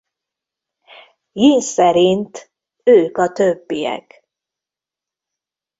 Jin szerint ők a Többiek.